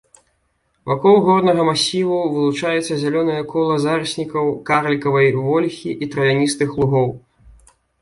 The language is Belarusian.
Вакол горнага масіву вылучаецца зялёнае кола зараснікаў карлікавай вольхі і травяністых лугоў.